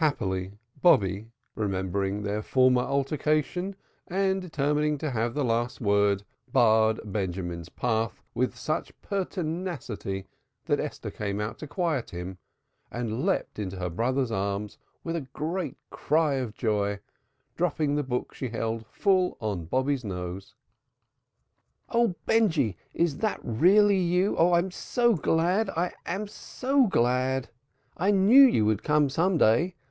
Happily Bobby, remembering their former altercation, and determining to have the last word, barred Benjamin's path with such pertinacity that Esther came out to quiet him and leapt into her brother's arms with a great cry of joy, dropping the book she held full on Bobby's nose. "O Benjy Is it really you? Oh, I am so glad. I am so glad. I knew you would come some day.